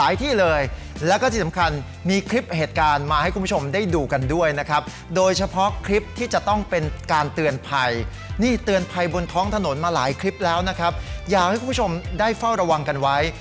อยากให้คุณผู้ชมได้เฝ้าระวังกันไว้